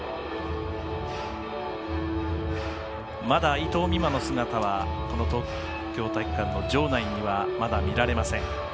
まだ伊藤美誠の姿はこの東京体育館の場内にはまだ見られません。